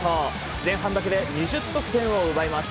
前半だけで２０得点を奪います。